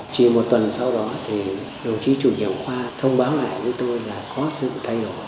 chỉ một tuần sau đó thì đồng chí chủ nhiệm khoa thông báo lại với tôi là có sự thay đổi